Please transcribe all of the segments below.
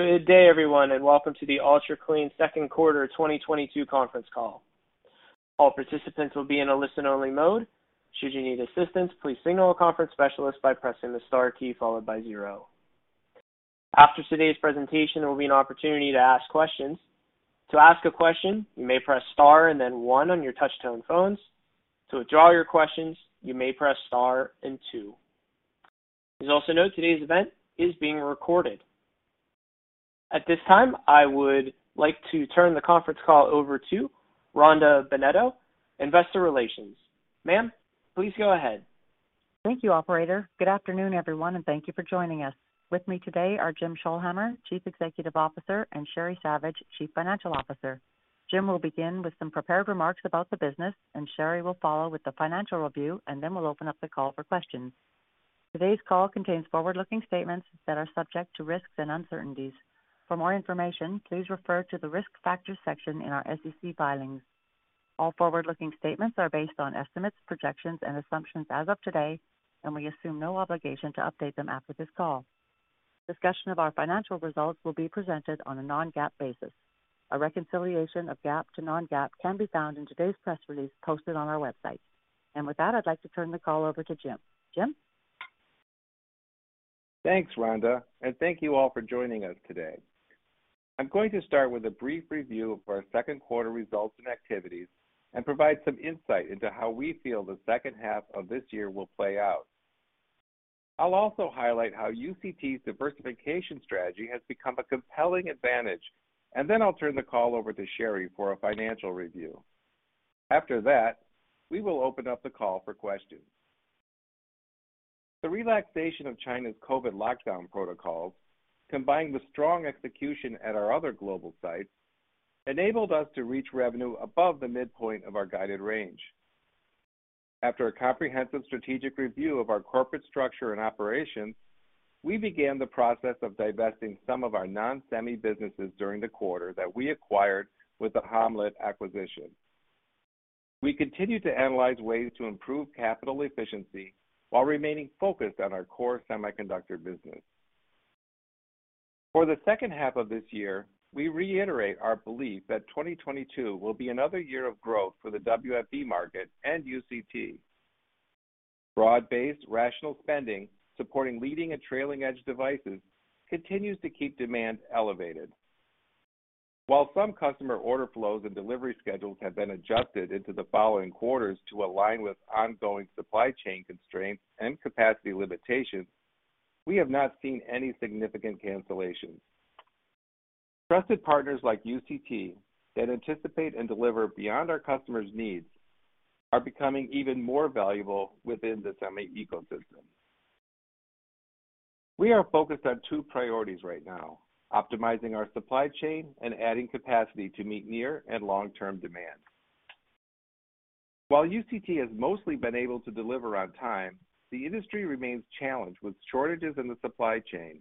Good day everyone, and welcome to the Ultra Clean second quarter 2022 conference call. All participants will be in a listen-only mode. Should you need assistance, please signal a conference specialist by pressing the star key followed by zero. After today's presentation, there will be an opportunity to ask questions. To ask a question, you may press star and then one on your touch-tone phones. To withdraw your questions, you may press star and two. Please also note today's event is being recorded. At this time, I would like to turn the conference call over to Rhonda Bennetto, Investor Relations. Ma'am, please go ahead. Thank you, operator. Good afternoon, everyone, and thank you for joining us. With me today are Jim Scholhamer, Chief Executive Officer, and Sheri Savage, Chief Financial Officer. Jim will begin with some prepared remarks about the business, and Sheri will follow with the financial review, and then we'll open up the call for questions. Today's call contains forward-looking statements that are subject to risks and uncertainties. For more information, please refer to the Risk Factors section in our SEC filings. All forward-looking statements are based on estimates, projections, and assumptions as of today, and we assume no obligation to update them after this call. Discussion of our financial results will be presented on a non-GAAP basis. A reconciliation of GAAP to non-GAAP can be found in today's press release posted on our website. With that, I'd like to turn the call over to Jim. Jim? Thanks, Rhonda, and thank you all for joining us today. I'm going to start with a brief review of our second quarter results and activities and provide some insight into how we feel the second half of this year will play out. I'll also highlight how UCT's diversification strategy has become a compelling advantage, and then I'll turn the call over to Sheri for a financial review. After that, we will open up the call for questions. The relaxation of China's COVID lockdown protocols, combined with strong execution at our other global sites, enabled us to reach revenue above the midpoint of our guided range. After a comprehensive strategic review of our corporate structure and operations, we began the process of divesting some of our non-semi businesses during the quarter that we acquired with the Ham-Let acquisition. We continue to analyze ways to improve capital efficiency while remaining focused on our core semiconductor business. For the second half of this year, we reiterate our belief that 2022 will be another year of growth for the WFE market and UCT. Broad-based rational spending supporting leading and trailing edge devices continues to keep demand elevated. While some customer order flows and delivery schedules have been adjusted into the following quarters to align with ongoing supply chain constraints and capacity limitations, we have not seen any significant cancellations. Trusted partners like UCT that anticipate and deliver beyond our customers' needs are becoming even more valuable within the semi ecosystem. We are focused on two priorities right now. Optimizing our supply chain and adding capacity to meet near and long-term demand. While UCT has mostly been able to deliver on time, the industry remains challenged with shortages in the supply chain.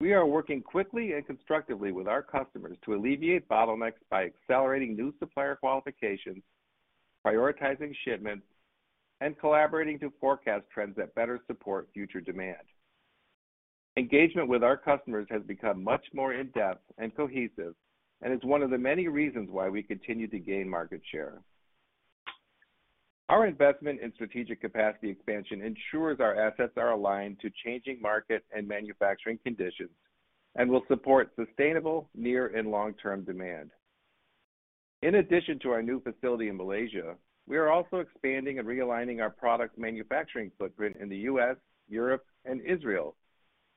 We are working quickly and constructively with our customers to alleviate bottlenecks by accelerating new supplier qualifications, prioritizing shipments, and collaborating to forecast trends that better support future demand. Engagement with our customers has become much more in-depth and cohesive and is one of the many reasons why we continue to gain market share. Our investment in strategic capacity expansion ensures our assets are aligned to changing market and manufacturing conditions and will support sustainable near and long-term demand. In addition to our new facility in Malaysia, we are also expanding and realigning our product manufacturing footprint in the U.S., Europe, and Israel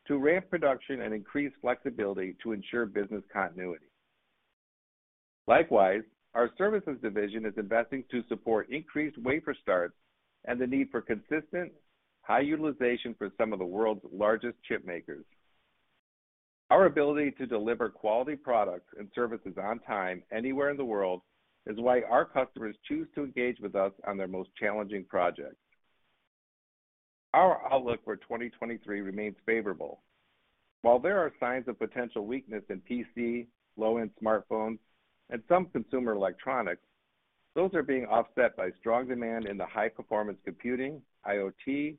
to ramp production and increase flexibility to ensure business continuity. Likewise, our services division is investing to support increased wafer starts and the need for consistent, high utilization for some of the world's largest chip makers. Our ability to deliver quality products and services on time anywhere in the world is why our customers choose to engage with us on their most challenging projects. Our outlook for 2023 remains favorable. While there are signs of potential weakness in PC, low-end smartphones, and some consumer electronics, those are being offset by strong demand in the high-performance computing, IoT,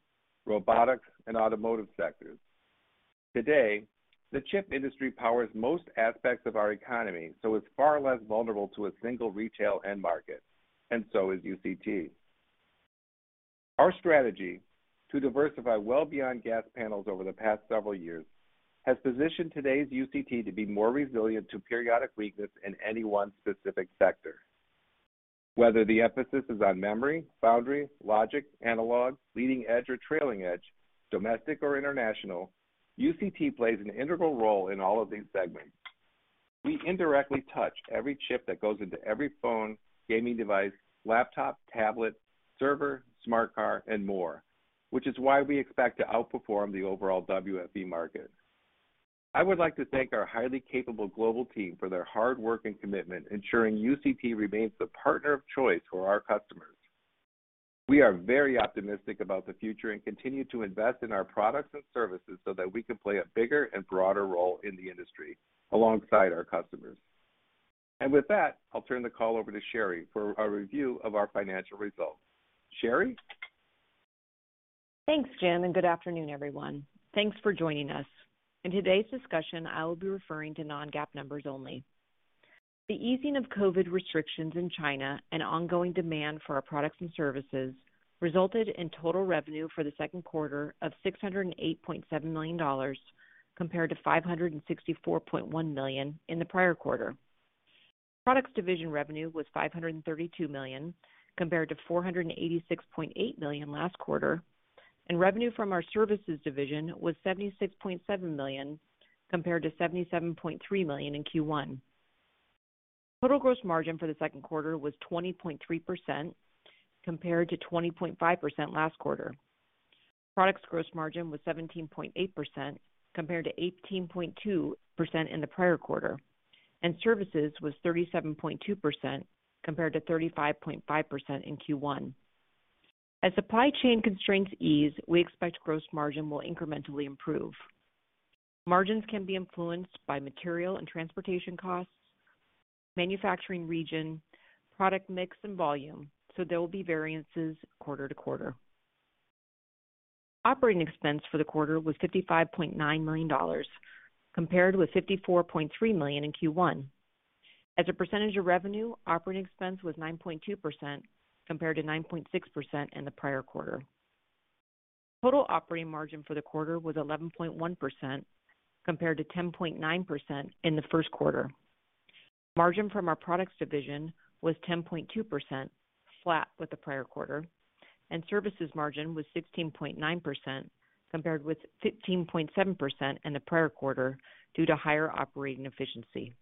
robotics, and automotive sectors. Today, the chip industry powers most aspects of our economy, so it's far less vulnerable to a single retail end market, and so is UCT. Our strategy to diversify well beyond gas panels over the past several years has positioned today's UCT to be more resilient to periodic weakness in any one specific sector. Whether the emphasis is on memory, foundry, logic, analog, leading edge or trailing edge, domestic or international, UCT plays an integral role in all of these segments. We indirectly touch every chip that goes into every phone, gaming device, laptop, tablet, server, smart car, and more, which is why we expect to outperform the overall WFE market. I would like to thank our highly capable global team for their hard work and commitment, ensuring UCT remains the partner of choice for our customers. We are very optimistic about the future and continue to invest in our products and services so that we can play a bigger and broader role in the industry alongside our customers. With that, I'll turn the call over to Sheri for a review of our financial results. Sheri? Thanks, Jim, and good afternoon, everyone. Thanks for joining us. In today's discussion, I will be referring to non-GAAP numbers only. The easing of COVID restrictions in China and ongoing demand for our Products and Services resulted in total revenue for the second quarter of $608.7 million compared to $564.1 million in the prior quarter. Products division revenue was $532 million, compared to $486.8 million last quarter, and revenue from our Services division was $76.7 million, compared to $77.3 million in Q1. Total gross margin for the second quarter was 20.3% compared to 20.5% last quarter. Products gross margin was 17.8% compared to 18.2% in the prior quarter, and Services was 37.2% compared to 35.5% in Q1. As supply chain constraints ease, we expect gross margin will incrementally improve. Margins can be influenced by material and transportation costs, manufacturing region, product mix and volume, so there will be variances quarter to quarter. Operating expense for the quarter was $55.9 million, compared with $54.3 million in Q1. As a percentage of revenue, operating expense was 9.2% compared to 9.6% in the prior quarter. Total operating margin for the quarter was 11.1% compared to 10.9% in the first quarter. Margin from our Products division was 10.2%, flat with the prior quarter, and Services margin was 16.9% compared with 15.7% in the prior quarter due to higher operating efficiency.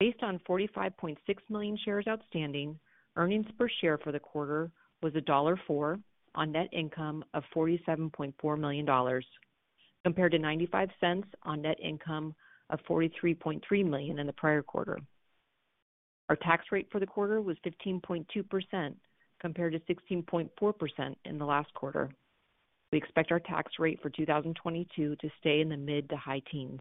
Based on 45.6 million shares outstanding, earnings per share for the quarter was $1.04 on net income of $47.4 million, compared to $0.95 on net income of $43.3 million in the prior quarter. Our tax rate for the quarter was 15.2% compared to 16.4% in the last quarter. We expect our tax rate for 2022 to stay in the mid to high teens.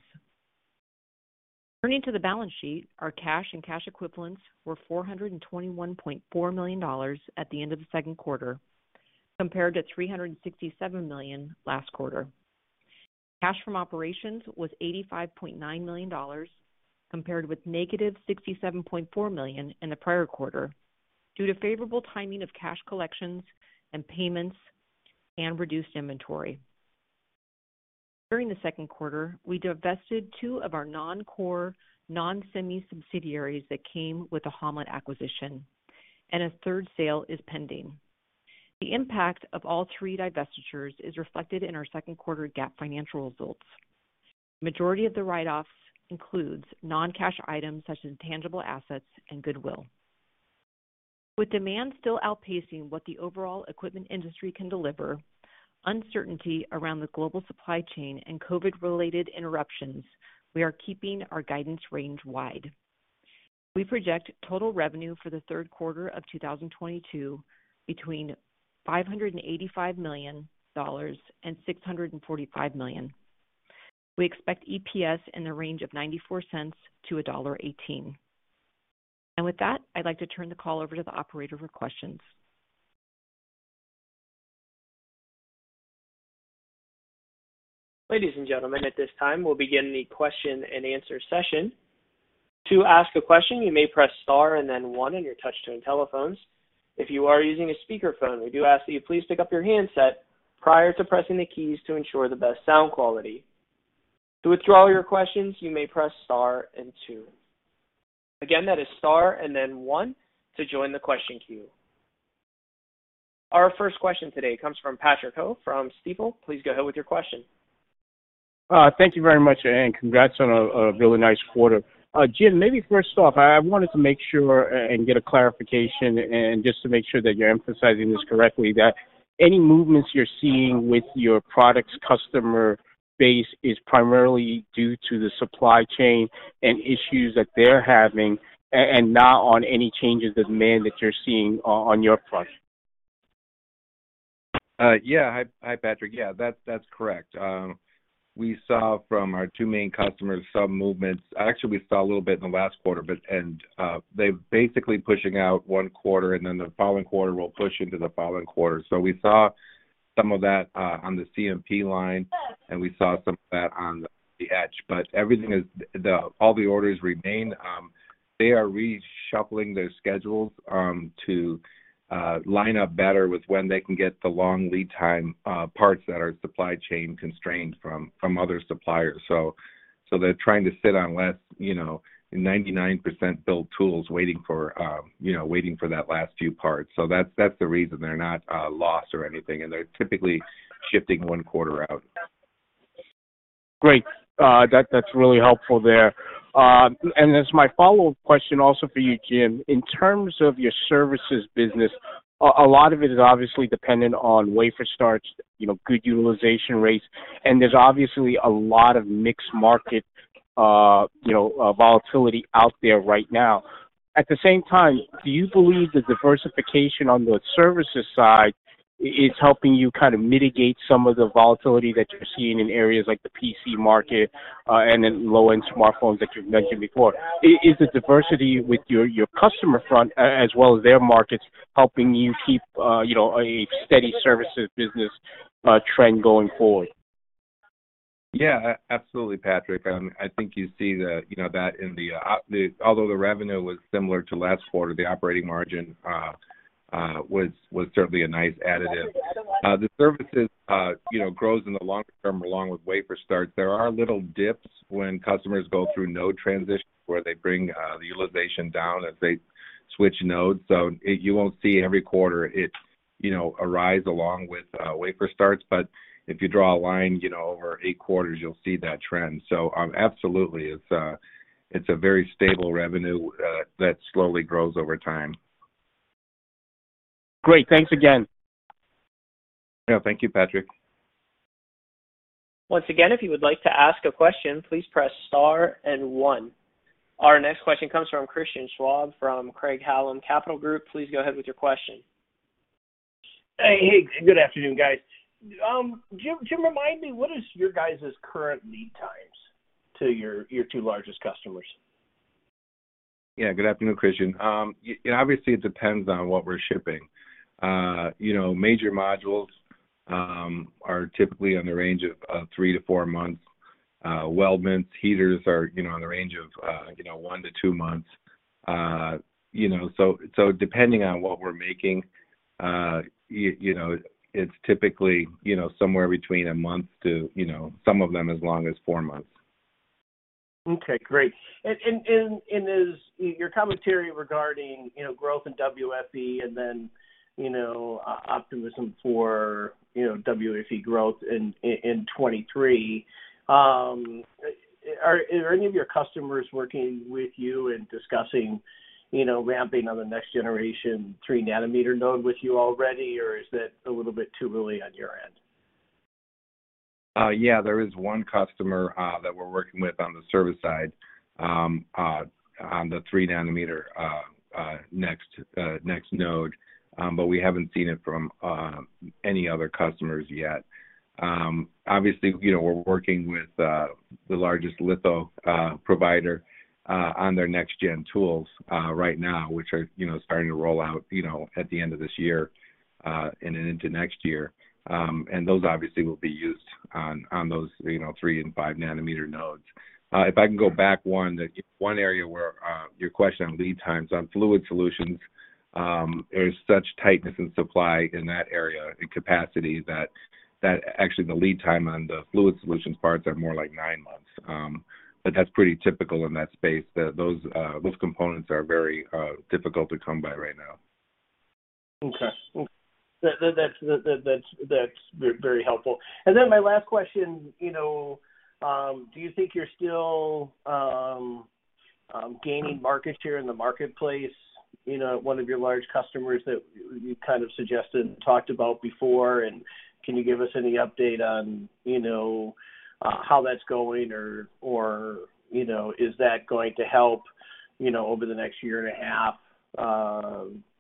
Turning to the balance sheet, our cash and cash equivalents were $421.4 million at the end of the second quarter, compared to $367 million last quarter. Cash from operations was $85.9 million, compared with $-67.4 million in the prior quarter due to favorable timing of cash collections and payments and reduced inventory. During the second quarter, we divested two of our non-core, non-semi subsidiaries that came with the Ham-Let acquisition, and a third sale is pending. The impact of all three divestitures is reflected in our second quarter GAAP financial results. Majority of the write-offs includes non-cash items such as tangible assets and goodwill. With demand still outpacing what the overall equipment industry can deliver, uncertainty around the global supply chain and COVID-related interruptions, we are keeping our guidance range wide. We project total revenue for the third quarter of 2022 between $585 million and $645 million. We expect EPS in the range of $0.94-$1.18. With that, I'd like to turn the call over to the operator for questions. Ladies and gentlemen, at this time, we'll begin the question and answer session. To ask a question, you may press star and then one in your touch tone telephones. If you are using a speaker phone, we do ask that you please pick up your handset prior to pressing the keys to ensure the best sound quality. To withdraw your questions, you may press star and two. Again, that is star and then one to join the question queue. Our first question today comes from Patrick Ho from Stifel. Please go ahead with your question. Thank you very much, and congrats on a really nice quarter. Jim, maybe first off, I wanted to make sure and get a clarification and just to make sure that you're emphasizing this correctly, that any movements you're seeing with your Products customer base is primarily due to the supply chain and issues that they're having and not on any changes of demand that you're seeing on your front. Yeah. Hi, Patrick. Yeah, that's correct. We saw from our two main customers some movements. Actually, we saw a little bit in the last quarter, but they're basically pushing out one quarter, and then the following quarter will push into the following quarter. We saw some of that on the CMP line, and we saw some of that on the Etch. Everything is. All the orders remain. They are reshuffling their schedules to line up better with when they can get the long lead time parts that are supply chain constrained from other suppliers. They're trying to sit on less, you know, 99% build tools waiting for, you know, waiting for that last few parts. That's the reason. They're not lost or anything, and they're typically shifting one quarter out. Great. That's really helpful there. As my follow-up question also for you, Jim. In terms of your services business, a lot of it is obviously dependent on wafer starts, you know, good utilization rates, and there's obviously a lot of mixed market, you know, volatility out there right now. At the same time, do you believe the diversification on the services side is helping you kind of mitigate some of the volatility that you're seeing in areas like the PC market, and then low-end smartphones that you've mentioned before? Is the diversity with your customer front as well as their markets helping you keep, you know, a steady services business trend going forward? Yeah. Absolutely, Patrick. I think you see that, you know, that although the revenue was similar to last quarter, the operating margin was certainly a nice additive. The services, you know, grows in the longer term along with wafer starts. There are little dips when customers go through node transitions, where they bring the utilization down as they switch nodes. You won't see every quarter it, you know, arise along with wafer starts. But if you draw a line, you know, over eight quarters, you'll see that trend. So, absolutely, it's a very stable revenue that slowly grows over time. Great. Thanks again. Yeah. Thank you, Patrick. Once again, if you would like to ask a question, please press star and one. Our next question comes from Christian Schwab from Craig-Hallum Capital Group. Please go ahead with your question. Hey. Good afternoon, guys. Do you, can you remind me what is your guys' current lead times to your two largest customers? Yeah. Good afternoon, Christian. You know, obviously, it depends on what we're shipping. You know, major modules are typically in the range of three to four months. Weldments, heaters are, you know, in the range of one to two months. You know, so depending on what we're making, you know, it's typically, you know, somewhere between a month to some of them as long as four months. Okay, great. As your commentary regarding, you know, growth in WFE and then, you know, optimism for, you know, WFE growth in 2023, are any of your customers working with you and discussing, you know, ramping on the next-generation 3-nanometer node with you already, or is that a little bit too early on your end? Yeah. There is one customer that we're working with on the service side on the 3 nanometer next node. We haven't seen it from any other customers yet. Obviously, you know, we're working with the largest litho provider on their next-gen tools right now, which are, you know, starting to roll out, you know, at the end of this year and then into next year. Those obviously will be used on those, you know, 3 and 5 nanometer nodes. If I can go back one, the one area where your question on lead times on Fluid Solutions, there's such tightness in supply in that area in capacity that actually the lead time on the Fluid Solutions parts are more like nine months. That's pretty typical in that space. Those components are very difficult to come by right now. Okay. That's very helpful. Then my last question, you know, do you think you're still gaining market share in the marketplace? You know, one of your large customers that you kind of suggested and talked about before, and can you give us any update on, you know, how that's going or you know, is that going to help, you know, over the next year and a half,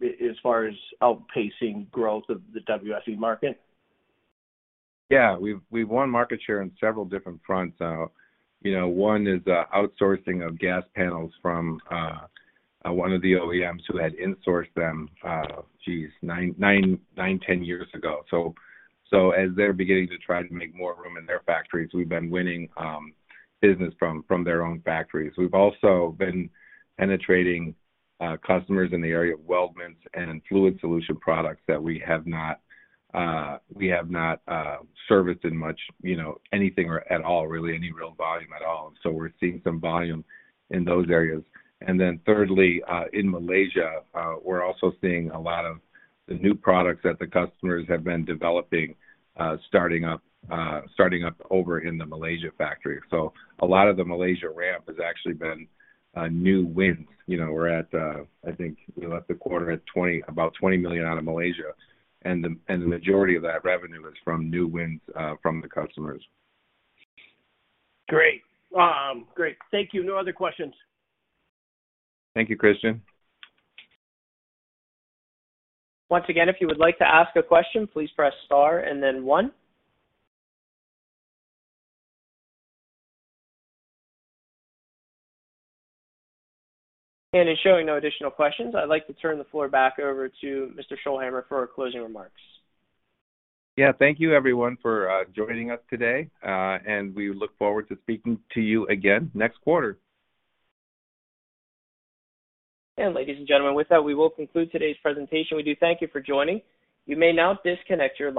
as far as outpacing growth of the WFE market? Yeah. We've won market share on several different fronts. You know, one is outsourcing of gas panels from one of the OEMs who had insourced them nine to 10 years ago, as they're beginning to try to make more room in their factories, we've been winning business from their own factories. We've also been penetrating customers in the area of weldments and Fluid Solutions products that we have not serviced in much, you know, anything or at all, really, any real volume at all. We're seeing some volume in those areas. Then thirdly, in Malaysia, we're also seeing a lot of the new products that the customers have been developing, starting up over in the Malaysian factory. A lot of the Malaysia ramp has actually been new wins. You know, we're at, I think we left the quarter at 20, about $20 million out of Malaysia, and the majority of that revenue is from new wins from the customers. Great. Thank you. No other questions. Thank you, Christian. Once again, if you would like to ask a question, please press star and then one. It's showing no additional questions. I'd like to turn the floor back over to Mr. Scholhamer for closing remarks. Yeah. Thank you, everyone, for joining us today, and we look forward to speaking to you again next quarter. Ladies and gentlemen, with that, we will conclude today's presentation. We do thank you for joining. You may now disconnect your line.